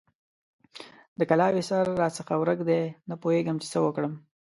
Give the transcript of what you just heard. د کلاوې سر راڅخه ورک دی؛ نه پوهېږم چې څه وکړم؟!